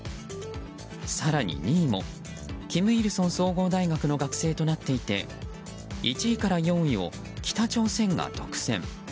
更に２位も、金日成総合大学の学生となっていて１位から４位を北朝鮮が独占。